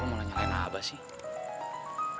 kok lo mulai nyalain abah sih